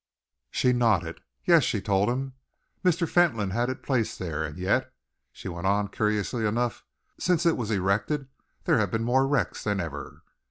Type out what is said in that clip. She nodded. "Yes," she told him. "Mr. Fentolin had it placed there. And yet," she went on, "curiously enough, since it was erected, there have been more wrecks than ever."